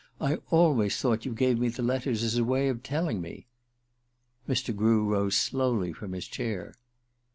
I always thought you gave me the letters as a way of telling me " Mr. Grew rose slowly from his chair.